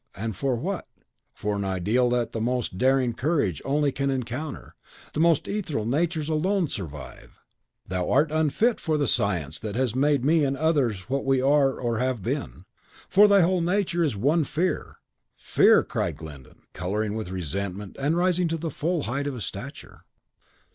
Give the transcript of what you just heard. And for what? For an ordeal that the most daring courage only can encounter, the most ethereal natures alone survive! Thou art unfit for the science that has made me and others what we are or have been; for thy whole nature is one fear!" "Fear!" cried Glyndon, colouring with resentment, and rising to the full height of his stature.